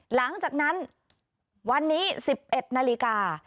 หลังจากนั้นวันนี้๑๑นาฬิกา